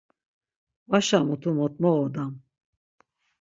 Vaşa mutu mot moğodam!